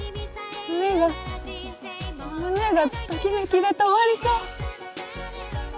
胸が胸がときめきで止まりそう！